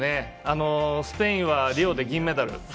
スペインはリオで銀メダル。